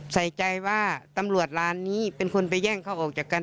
ใส่ใจว่าตำรวจร้านนี้เป็นคนไปแย่งเขาออกจากกัน